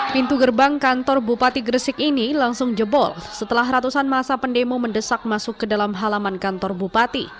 pintu gerbang kantor bupati gresik ini langsung jebol setelah ratusan masa pendemo mendesak masuk ke dalam halaman kantor bupati